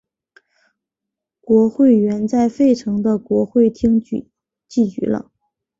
国会原在费城的国会厅集会了。